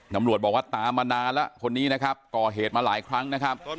ตำรวจบอกว่าตามมานานแล้วคนนี้นะครับก่อเหตุมาหลายครั้งนะครับ